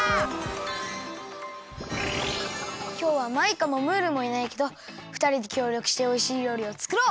きょうはマイカもムールもいないけどふたりできょうりょくしておいしいりょうりをつくろう！